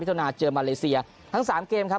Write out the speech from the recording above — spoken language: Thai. มิถุนายนเจอมาเลเซียทั้ง๓เกมครับ